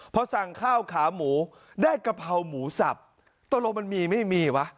พอสั่งข้าวขาหมูได้กะเพราหมูสับตกลงมันมีไม่มีวะ